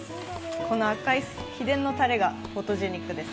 この赤い秘伝のたれがフォトジェニックです。